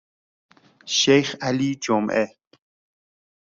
شیخ علی جمعه